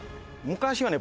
昔はね